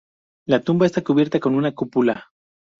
La tumba está cubierta con una cúpula.